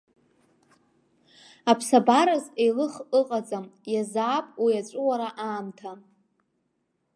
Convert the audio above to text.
Аԥсабараз еилых ыҟаӡам, иазаап уи аҵәыуара аамҭа!